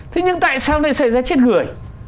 thế nhưng tại sao lại xảy ra chết người